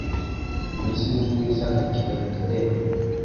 miss ni mwiza nka kilometero